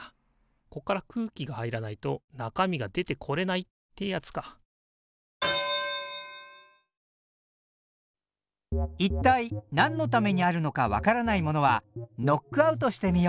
こっから空気が入らないと中身が出てこれないってやつか一体なんのためにあるのか分からないものはノックアウトしてみよう！